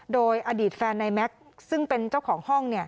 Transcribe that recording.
โดยอดีตแฟนในแม็กซ์ซึ่งเป็นเจ้าของห้อง